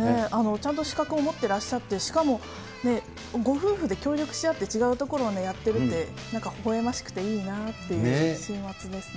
ちゃんと資格を持ってらっしゃって、しかもご夫婦で協力し合って違うところをやってるって、なんか微笑ましくていいなという週末ですね。